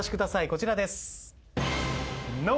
こちらです。